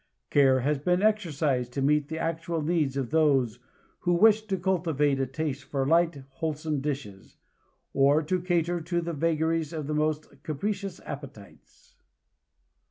Care has been exercised to meet the actual needs of those who wish to cultivate a taste for light, wholesome dishes, or to cater to the vagaries of the most capricious appetites.